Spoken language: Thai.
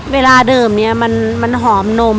เวลาเดิมนี้มันหอมนม